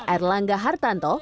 air langga hartarto